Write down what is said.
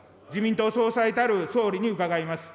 自民党総裁たる総理に伺います。